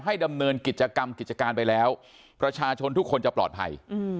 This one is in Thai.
ดำเนินกิจกรรมกิจการไปแล้วประชาชนทุกคนจะปลอดภัย